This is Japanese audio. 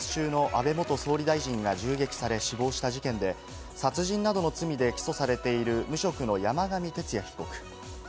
去年７月、奈良市で演説中の安倍元総理が銃撃され死亡した事件で、殺人などの罪で起訴されている無職の山上徹也被告。